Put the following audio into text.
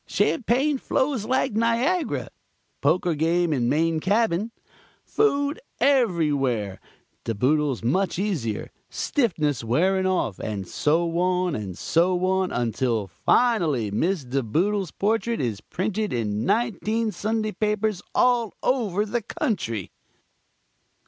Champagne flows like Niagara. Poker game in main cabin. Food everywhere. De Boodles much easier. Stiffness wearing off, and so on and so on until finally Miss De Boodle's portrait is printed in nineteen Sunday newspapers all over the country.